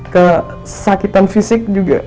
kesakitan fisik juga